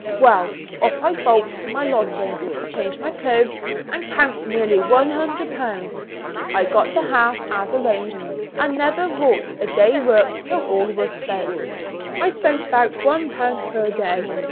Well, off I bolts to my lodging, changed my clothes, and counts nearly one hundred pounds. I got the half, as arranged, and never wrought a day's work till all was spent I spent about one pound per day.